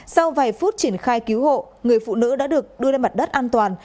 sau vài phút triển khai cứu hộ người phụ nữ đã được đưa lên mặt đất an toàn